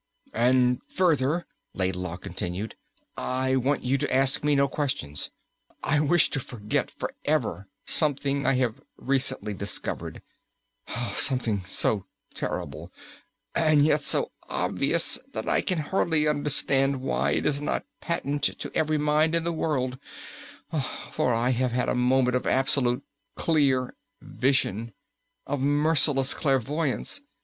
"And further," Laidlaw continued, "I want you to ask me no questions. I wish to forget for ever something I have recently discovered something so terrible and yet so obvious that I can hardly understand why it is not patent to every mind in the world for I have had a moment of absolute clear vision of merciless clairvoyance.